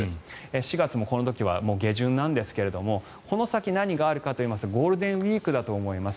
４月もこの時は下旬ですがこの先、何があるかといいますとゴールデンウィークだと思います。